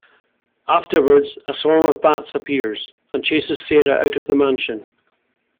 Afterwards, a swarm of bats appears and chases Sarah out of the mansion.